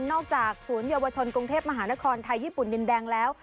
ศูนย์เยาวชนกรุงเทพมหานครไทยญี่ปุ่นดินแดงแล้ว